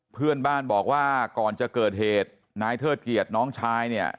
เพื่อนบ้านบอกว่าก่อนจะเกิดเหตุนายเทิดเกียรติน้องชายเนี่ย